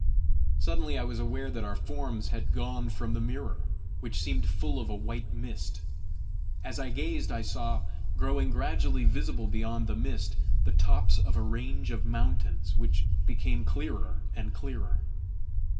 Suddenly I was aware that our forms had gone from the mirror, which seemed full of a white mist. As I gazed I saw, growing gradually visible beyond the mist, the tops of a range of mountains, which became clearer and clearer.